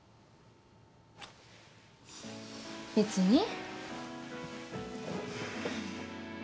別に。